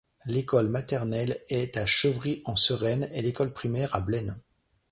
L'école maternelle est à Chevry-en-Sereine et l'école primaire à Blennes.